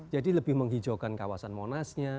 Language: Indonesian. jadi lebih menghijaukan kawasan monas nya